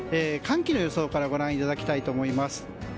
寒気の予想からご覧いただきたいと思います。